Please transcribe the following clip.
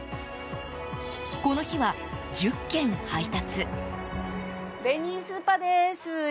この日は１０件配達。